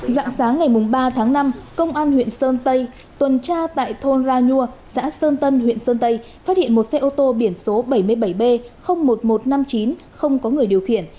dạng sáng ngày ba tháng năm công an huyện sơn tây tuần tra tại thôn ra nhua xã sơn tân huyện sơn tây phát hiện một xe ô tô biển số bảy mươi bảy b một nghìn một trăm năm mươi chín không có người điều khiển